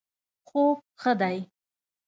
خوب ښه دی